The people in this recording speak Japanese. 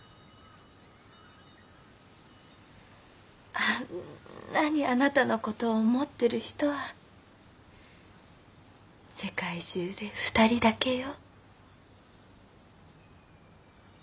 あんなにあなたの事を思ってる人は世界中で２人だけよ。